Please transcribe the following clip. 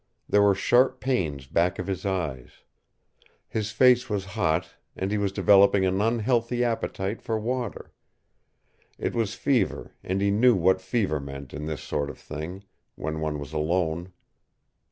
There were sharp pains back of his eyes. His face was hot, and he was developing an unhealthy appetite for water. It was fever and he knew what fever meant in this sort of thing, when one was alone.